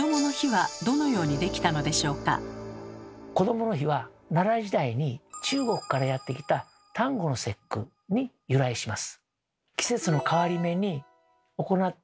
続いてこどもの日は奈良時代に中国からやって来た端午の節句に由来します。